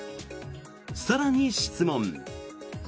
更に質問。